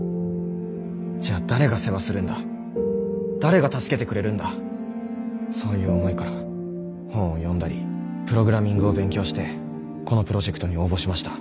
じゃあ誰が世話するんだ誰が助けてくれるんだそういう思いから本を読んだりプログラミングを勉強してこのプロジェクトに応募しました。